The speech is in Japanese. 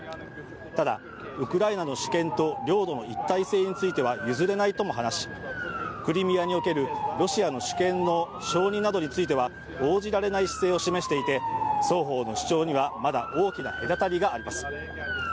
ただ、ウクライナの主権と領土の一体性については譲れないとも話し、クリミアにおけるロシアの主権の承認などについては応じられない姿勢を示していて双方の主張にはまだ大きな隔たりがあります。